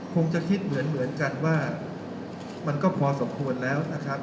คงจะคิดเหมือนกันว่ามันก็พอสมควรแล้วนะครับ